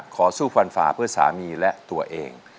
สู้ฟันฝ่าเพื่อสามีและตัวเอง